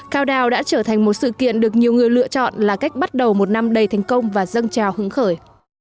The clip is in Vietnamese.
countdown đã trở thành một sự kiện được nhiều người lựa chọn là cách bắt đầu một năm đầy thành công và dâng trào hững khởi